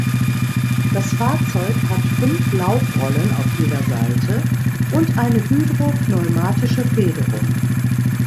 Das Fahrzeug hat fünf Laufrollen auf jeder Seite und eine hydropneumatische Federung.